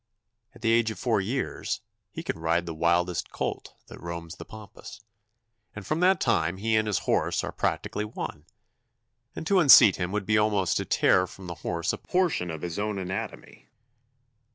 At the age of four years he can ride the wildest colt that roams the pampas, and from that time he and his horse are practically one; and to unseat him would be almost to tear from the horse a portion of his own anatomy.